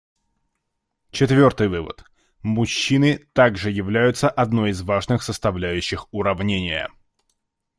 Четвертый вывод: мужчины также являются одной из важных составляющих уравнения.